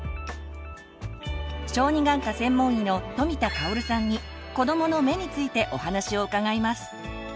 小児眼科専門医の富田香さんに「子どもの目」についてお話を伺います。